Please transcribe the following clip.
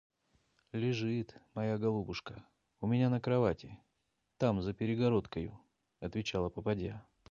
– Лежит, моя голубушка, у меня на кровати, там за перегородкою, – отвечала попадья.